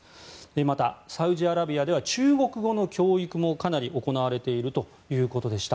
また、サウジアラビアでは中国語の教育もかなり行われているということでした。